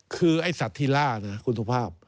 คือไอ้สัตว์ที่ล่านะคุณสุภาพ